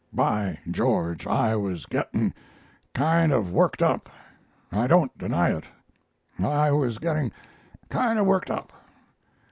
"By George, I was getting kind of worked up. I don't deny it, I was getting kind of worked up.